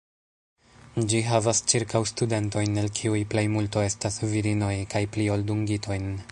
Ĝi havas ĉirkaŭ studentojn, el kiuj plejmulto estas virinoj, kaj pli ol dungitojn.